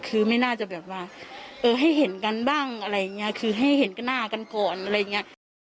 คือไม่น่าจะแบบว่าเออให้เห็นกันบ้างอะไรอย่างเงี้ยคือให้เห็นหน้ากันก่อนอะไรอย่างเงี้ย